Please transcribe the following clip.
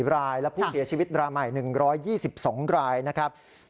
รายและผู้เสียชีวิตรายใหม่๑๒๒รายนะครับ